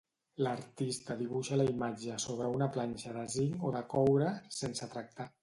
L'artista dibuixa la imatge sobre una planxa de zinc o de coure, sense tractar.